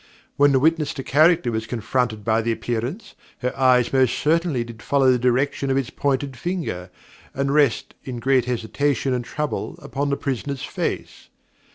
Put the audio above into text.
When the witness to character was confronted by the Appearance, her eyes most certainly did follow the direction of its pointed finger, and rest in great hesitation and trouble upon the prisoner's face.